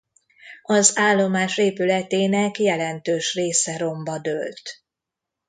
Az állomás épületének jelentős része romba dőlt.